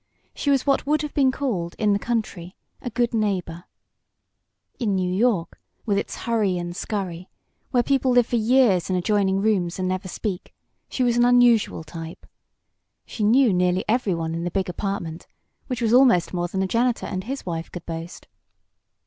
She was what would have been called, in the country, "a good neighbor." In New York, with its hurry and scurry, where people live for years in adjoining rooms and never speak, she was an unusual type. She knew nearly every one in the big apartment which was almost more than the janitor and his wife could boast.